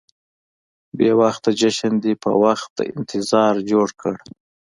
بې وخته جشن دې په وخت د انتظار جوړ کړو.